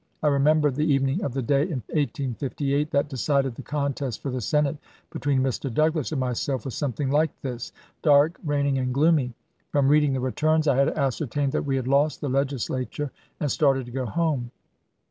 I re chap. xvi. member the evening of the day in 1858 that decided the contest for the Senate between Mr. Douglas and myself was something like this — dark, rain ing, and gloomy. From reading the returns I had ascertained that we had lost the Legislature, and started to go home.